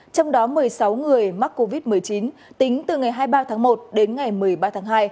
trong đó một mươi sáu người mắc covid một mươi chín tính từ ngày hai mươi ba tháng một đến ngày một mươi ba tháng hai